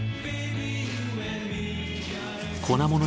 粉もの